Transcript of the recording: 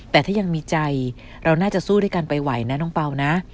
แต่ถ้ายังมีใจเราน่าจะสู้ด้วยกันไปไหวนะน้องเปล่านะ